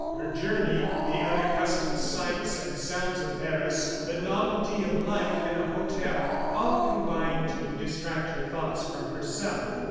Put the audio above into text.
Her journey, the unaccustomed sights and sounds of Paris, the novelty of life in a hotel, all combined to distract her thoughts from herself.